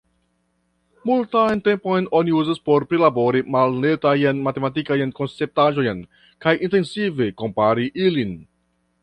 Multan tempon oni uzas por prilabori malnetajn matematikajn konceptaĵojn kaj intensive kompari ilin.